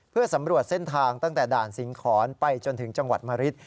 เพื่อสำรวจเส้นทางตั้งแต่ด่านสิงหอนไปจนถึงจังหวัดมะริด